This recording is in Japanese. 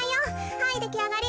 はいできあがり。